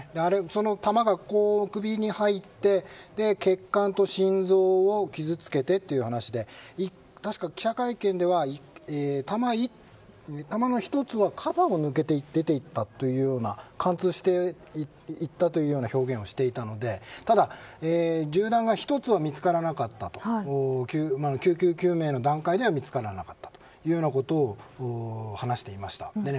弾が首に入って血管と心臓を傷付けてという話で確か記者会見では弾の１つは肩を抜けて出ていったというような貫通していったというな表現をしていたのでただ銃弾が１つは見つからなかったと救急救命の段階では見つからなかったというようなことを話していました。